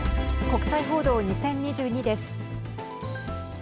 国際報道２０２２です。